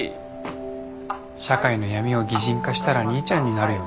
社会の闇を擬人化したら兄ちゃんになるよね。